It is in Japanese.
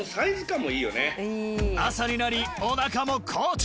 朝になりお腹も好調！